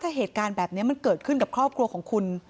ถ้าเหตุการณ์แบบนี้มันเกิดขึ้นกับครอบครัวของคุณ